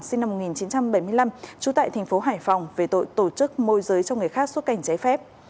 sinh năm một nghìn chín trăm bảy mươi năm trú tại thành phố hải phòng về tội tổ chức môi giới cho người khác xuất cảnh trái phép